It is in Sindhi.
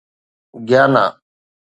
گيانا